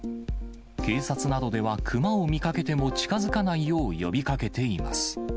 警察などでは、クマを見かけても近づかないよう呼びかけています。